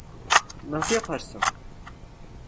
Nasıl yaparsın?